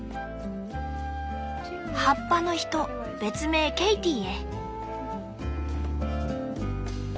「葉っぱの人別名ケイティへ」。